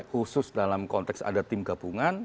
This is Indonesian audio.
khusus dalam konteks ada tim gabungan